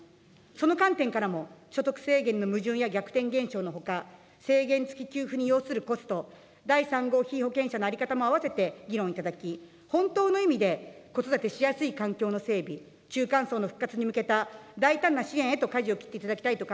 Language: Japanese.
その観点からも、所得制限の矛盾や逆転現象のほか、制限付き給付に要するコスト、第３号被保険者の在り方も併せて議論いただき、本当の意味で子育てしやすい環境の整備、中間層の復活に向けた大胆な支援へとかじを切っていただきたいと